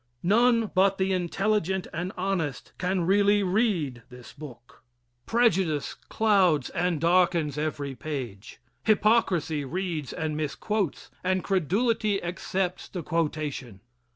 None but the intelligent and honest can really read this book. Prejudice clouds and darkens every page. Hypocrisy reads and misquotes, and credulity accepts the quotation.